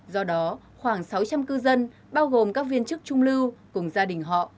do đó khoảng sáu trăm linh cư dân bao gồm các viên chức trung lưu cùng gia đình họ